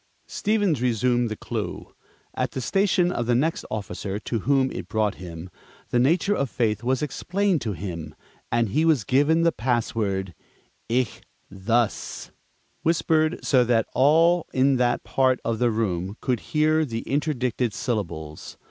Stevens resumed the Clue. At the station of the next officer to whom it brought him, the nature of faith was explained to him, and he was given the password, "Ichthus," whispered so that all in that part of the room could hear the interdicted syllables.